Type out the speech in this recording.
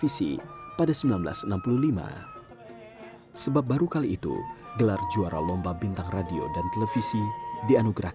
ia bahkan melakukan rekaman di jepang